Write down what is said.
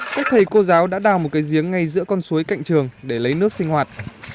các thầy cô giáo đã đào một cái giếng ngay giữa con suối cạnh trường để lấy nước sinh hoạt